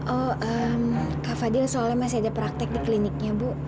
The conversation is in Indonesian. oh kak fadil soalnya masih ada praktek di kliniknya bu